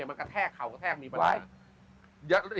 มันกระแทกเข่าก็บ้าได้